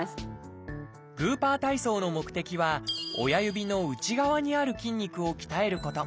グーパー体操の目的は親指の内側にある筋肉を鍛えること。